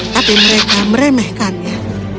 tapi mereka meremehkannya